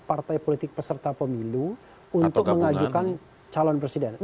partai politik peserta pemilihan